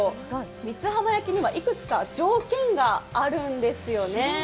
三津浜焼きにはいくつか条件があるんですよね。